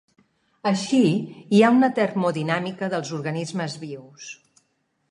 Així hi ha una termodinàmica dels organismes vius.